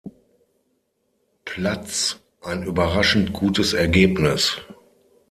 Platz ein überraschend gutes Ergebnis.